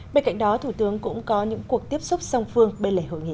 bên cạnh đó thủ tướng cũng có những cuộc tiếp xúc song phương bên lề hội nghị